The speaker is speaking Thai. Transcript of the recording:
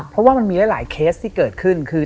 เพราะว่ามันมีหลายเคสที่เกิดขึ้นคือ